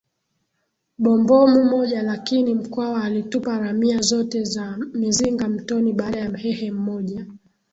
bombomu moja Lakini Mkwawa alitupa ramia zote za mizinga mtoni baada ya Mhehe mmoja